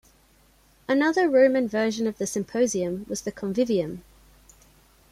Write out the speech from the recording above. Another Roman version of the "symposium" was the "convivium".